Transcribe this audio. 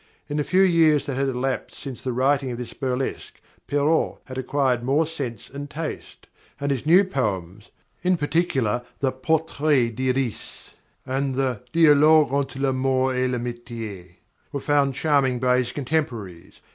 In the few years that had elapsed since the writing of this burlesque Perrault had acquired more sense and taste, and his new poems in particular the "Portrait d'Iris" and the "Dialogue entre l'Amour et l'Amitié" were found charming by his contemporaries.